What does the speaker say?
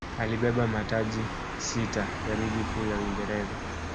alibeba mataji sita ya ligi kuu ya Uingereza